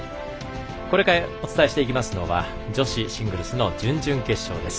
これからお伝えしていきますのは女子シングルスの準々決勝です。